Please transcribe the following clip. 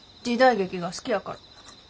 時代劇が好きやから。